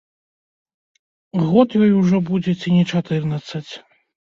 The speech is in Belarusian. Год ёй ужо будзе ці не чатырнаццаць.